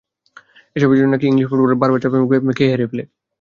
এসবের জন্যই নাকি ইংলিশ ফুটবলাররা বারবার চাপের মুখে খেই হারিয়ে ফেলে।